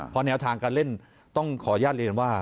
เพราะแนวทางการเล่นต้องขออนุญาตเรียนว่า